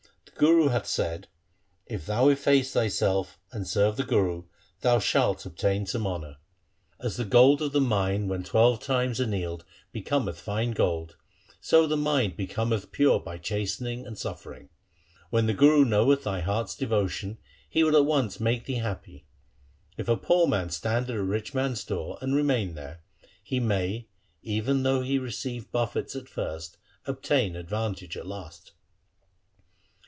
The Guru hath said :— If thou efface thyself and serve the Guru, thou shalt obtain some honour. 122 THE SIKH RELIGION ' As the gold of the mine when twelve times annealed becometh fine gold, so the mind becometh pure by chastening and suffering. When the Guru knoweth thy heart's devotion, he will at once make thee happy. If a poor man stand at a rich man's door and remain there, he may even though he receive buffets at first, obtain advantage at last.'